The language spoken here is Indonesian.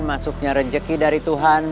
masuknya rejeki dari tuhan